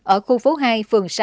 ở khu phố hai phường sáu